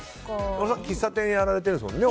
喫茶店やられてるんですよね